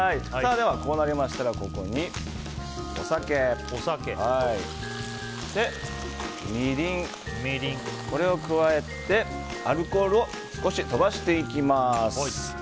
ではこうなりましたらここにお酒、みりんを加えてアルコールを少しとばしていきます。